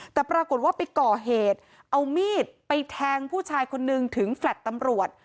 แต่ปรากฏว่าไปก่อเหตุเอามีดไปแทงผู้ชายคนนึงถึงแฟลต์ตำรวจ